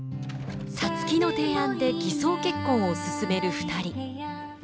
皐月の提案で偽装結婚を進める２人。